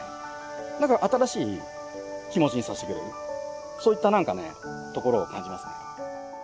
なんか新しい気持ちにさせてくれるそういったところを感じますね。